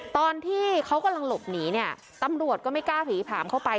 ตอนที่เขากำลังหลบหนีเนี่ยตำรวจก็ไม่กล้าฝีผามเข้าไป